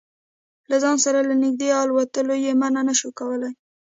له ځان سره له نږدې الوتلو یې منع نه شو کولای.